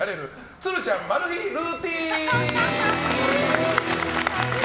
鶴ちゃんマル秘ルーティン！